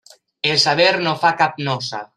El saber no fa cap nosa.